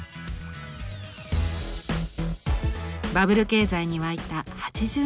バブル経済に沸いた８０年代。